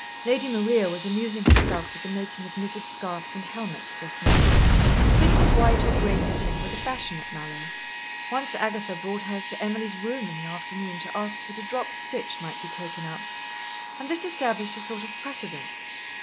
Lady Maria was amusing herself with the making of knitted scarfs and helmets just now, and bits of white or gray knitting were the fashion at Mallowe. Once Agatha brought hers to Emily's room in the afternoon to ask that a dropped stitch might be taken up, and this established a sort of precedent.